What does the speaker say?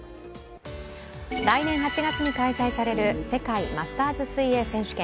来年８月に開催される世界マスターズ水泳選手権。